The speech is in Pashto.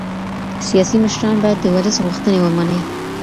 سياسي مشران بايد د ولس غوښتني ومني.